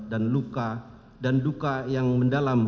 dan luka dan duka yang mendalam